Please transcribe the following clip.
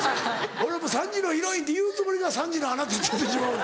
俺も３時のヒロインって言うつもりが『３時のあなた』って言ってしまう。